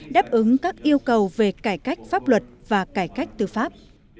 đáp ứng các yêu cầu về cải cách pháp luật và cải cách tư pháp